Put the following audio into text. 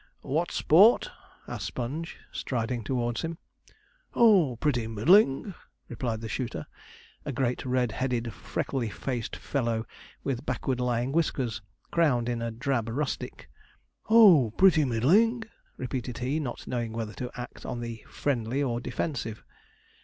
'What sport?' asked Sponge, striding towards him. 'Oh, pretty middling,' replied the shooter, a great red headed, freckly faced fellow, with backward lying whiskers, crowned in a drab rustic. 'Oh, pretty middling,' repeated he, not knowing whether to act on the friendly or defensive.